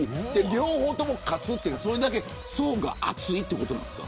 両方とも勝つのは、それだけ層が厚いということですか。